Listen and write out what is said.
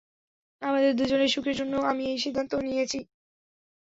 আমাদের দুজনের সুখের জন্য আমি এই সিদ্ধান্ত নিয়েছি।